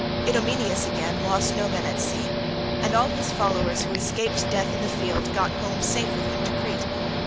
Idomeneus, again, lost no men at sea, and all his followers who escaped death in the field got safe home with him to Crete.